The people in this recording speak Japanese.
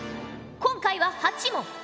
今回は８問。